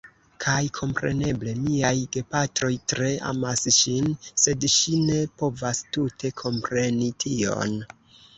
Kaj kompreneble, miaj gepatroj tre amas ŝin, sed ŝi ne povas tute kompreni tion